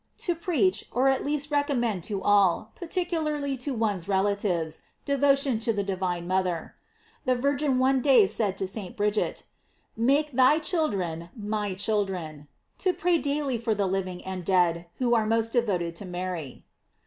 To preach, or at least recommend to all, particularly to one's relatives, devotion to the divine mother. The Virgin one day said to St. Bridget: "Make thy children my children." To pray daily for the living and dead who were most devoted to Mary.